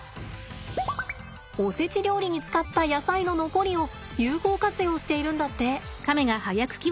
おせち料理に使った野菜の残りを有効活用しているんだって。